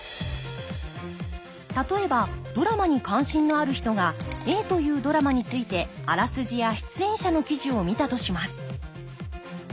例えばドラマに関心のある人がＡというドラマについてあらすじや出演者の記事を見たとします。